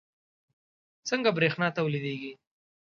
څنګه بریښنا تولیدیږي